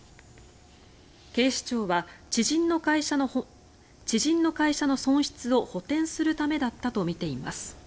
警視庁は、知人の会社の損失を補てんするためだったとみています。